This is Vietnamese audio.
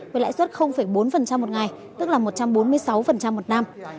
với lãi suất bốn một ngày tức là một trăm bốn mươi sáu một năm